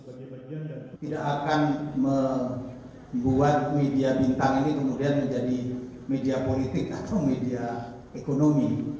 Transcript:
tidak akan membuat media bintang ini kemudian menjadi media politik atau media ekonomi